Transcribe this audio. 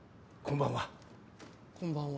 こんばんは。